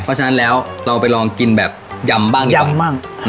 เพราะฉะนั้นแล้วเราไปลองกินแบบยำบ้างยำบ้าง